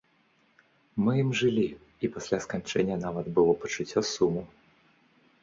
Мы ім жылі, і пасля сканчэння нават было пачуццё суму.